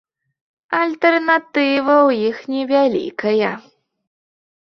Альтэрнатыва ў іх невялікая.